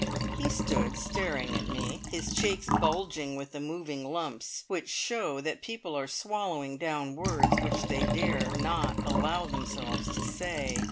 He stood staring at me, his cheeks bulging with the moving lumps which show that people are swallowing down words which they dare not allow themselves to say.